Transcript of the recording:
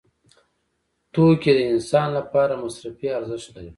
توکي د انسان لپاره مصرفي ارزښت لري.